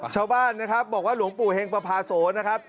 ชาวบ้านนะครับบอกว่าหลวงปู่เฮงประพาโสนะครับ